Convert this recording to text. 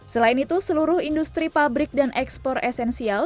selain itu seluruh industri pabrik dan ekspor esensial